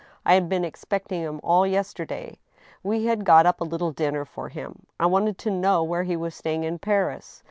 I had been expecting him all yesterday. We had got up a little dinner for him. I wanted to know where he was staying in Paris.